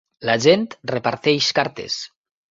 La gent reparteix cartes.